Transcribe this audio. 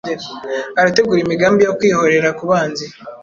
Arategura imigambi yo kwihorerakubanzi